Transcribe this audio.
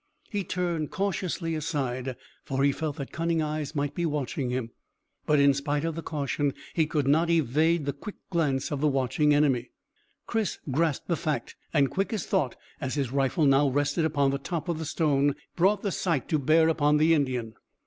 He turned cautiously aside, for he felt that cunning eyes might be watching him; but in spite of the caution he could not evade the quick glance of the watching enemy. Chris grasped the fact, and quick as thought, as his rifle now rested upon the top of the stone, brought the sight to bear upon the Indian.